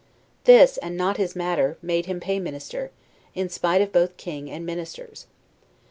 This, and not his matter, made him Paymaster, in spite of both king and ministers.